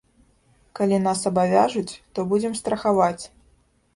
Калі нас абавяжуць, то будзем страхаваць.